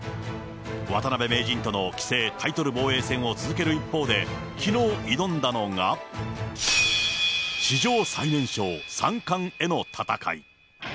渡辺名人との棋聖タイトル防衛戦を続ける一方で、きのう、挑んだのが、史上最年少三冠への戦い。